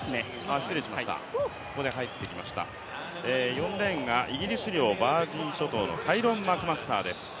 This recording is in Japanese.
４レーンがイギリス領バージン諸島のカイロン・マクマスターです。